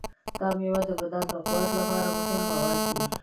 دا میوه د بدن د قوت لپاره مهم مواد لري.